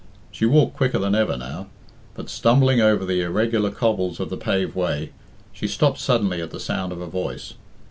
She walked quicker than ever now. But, stumbling over the irregular cobbles of the paved way, she stopped suddenly at the sound of a voice.